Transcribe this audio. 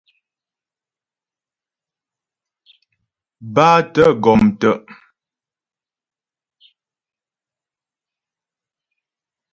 Bátə̀ gɔm tə'.